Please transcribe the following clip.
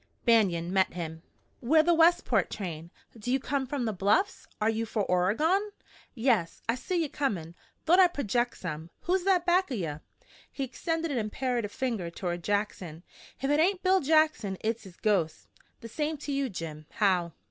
Banion met him. "We're the Westport train. Do you come from the Bluffs? Are you for Oregon?" "Yes. I seen ye comin'. Thought I'd projeck some. Who's that back of ye?" He extended an imperative skinny finger toward Jackson. "If it hain't Bill Jackson hit's his ghost!" "The same to you, Jim. How!"